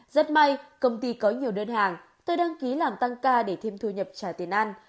rất may công ty có nhiều đơn hàng tôi đăng ký làm tăng ca để thêm thu nhập trả tiền ăn